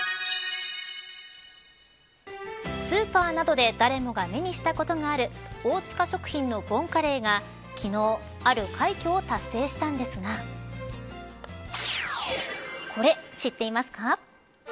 スーパーなどで誰もが目にしたことがある大塚食品のボンカレーが昨日ある快挙を達成したんですがこれ、知っていますか。